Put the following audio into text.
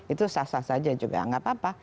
itu sah sah saja juga nggak apa apa